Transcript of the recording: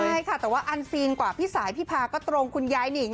ใช่ค่ะแต่ว่าอันซีนกว่าพี่สายพี่พาก็ตรงคุณยายหนิง